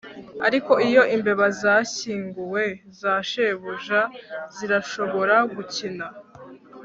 Ariko iyo imbeba zashyinguwe za shebuja zirashobora gukina